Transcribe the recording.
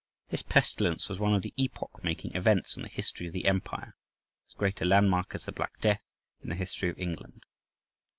This pestilence was one of the epoch making events in the history of the empire, as great a landmark as the Black Death in the history of England.